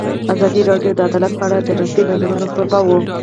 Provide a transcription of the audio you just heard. ازادي راډیو د عدالت په اړه د نقدي نظرونو کوربه وه.